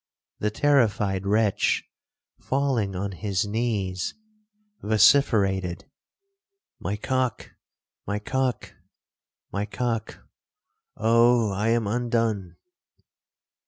The terrified wretch, falling on his knees, vociferated, 'My cock,—my cock,—my cock! oh! I am undone!'